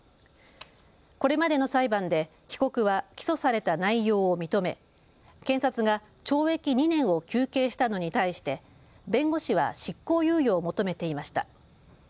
これまでの裁判で被告は起訴された内容を認め検察が懲役２年を求刑したのに対して弁護士は執行猶予を求めていました。